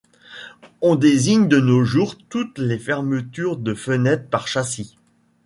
On désigne de nos jours toutes les fermetures de fenêtre par châssis.